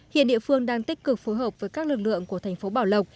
hiện địa phương đang tích cực phối hợp với các lực lượng của thành phố bảo lộc